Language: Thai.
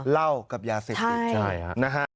เล่ากับยาเสกติดนะครับใช่ค่ะใช่ค่ะ